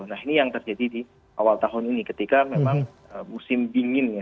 nah ini yang terjadi di awal tahun ini ketika memang musim dingin ya